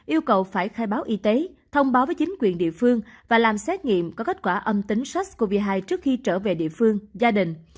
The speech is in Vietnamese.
yêu cầu phải khai báo y tế thông báo với chính quyền địa phương và làm xét nghiệm có kết quả âm tính sars cov hai trước khi trở về địa phương gia đình